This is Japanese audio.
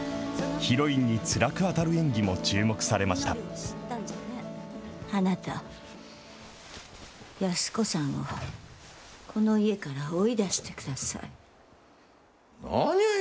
ヒロインにつらく当たる演技も注あなた、安子さんをこの家から追い出してください。